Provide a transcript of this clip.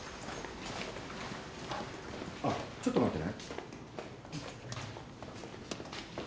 あっちょっと待ってね。